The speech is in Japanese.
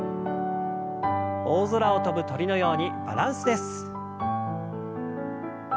大空を飛ぶ鳥のようにバランスです。